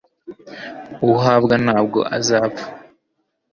uwuhabwa ntabwo azapfa